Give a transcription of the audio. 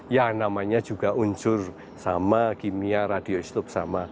ya namanya juga unsur sama kimia radiostop sama